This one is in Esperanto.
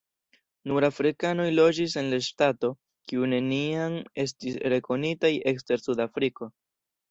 Nur afrikanoj loĝis en la ŝtato, kiu neniam estis rekonitaj ekster Sudafriko.